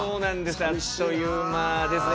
あっという間ですね。